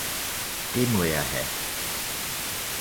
det må jeg have!